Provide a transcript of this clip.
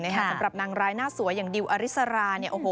สำหรับนางรายหน้าสวยอย่างดิลว์อริสรา